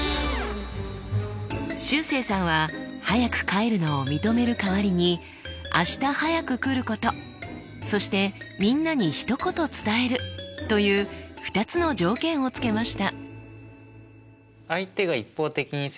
しゅうせいさんは早く帰るのを認める代わりに明日早く来ることそしてみんなに一言伝えるという２つの条件をつけました。